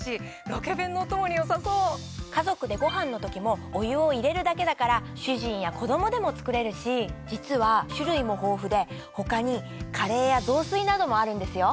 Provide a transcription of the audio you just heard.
家族でご飯の時もお湯を入れるだけだから主人や子供でも作れるし実は種類も豊富で他にカレーや雑炊などもあるんですよ。